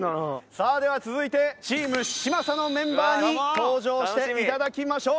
さあでは続いてチーム嶋佐のメンバーに登場していただきましょう。